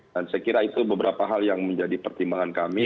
dan saya kira itu beberapa hal yang menjadi pertimbangan kami